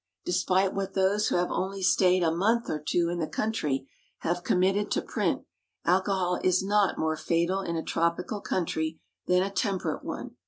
Despite what those who have only stayed a month or two in the country have committed to print, alcohol is not more fatal in a tropical country than a temperate one.